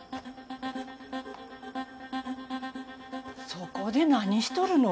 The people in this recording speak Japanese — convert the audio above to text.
そこで何しとるの？